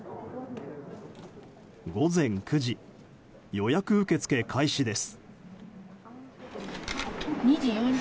午前９時予約受け付け開始です。